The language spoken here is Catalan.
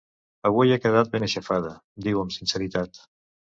Avui he quedat ben aixafada –diu amb sinceritat.